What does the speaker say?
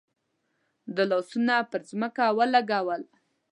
ده لاسونه پر ځمکه ولګول.